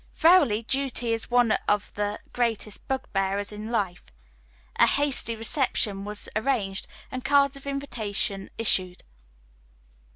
Verily, duty is one of the greatest bugbears in life. A hasty reception was arranged, and cards of invitation issued.